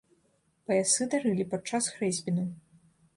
Паясы дарылі падчас хрэсьбінаў.